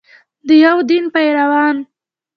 د یو دین پیروان.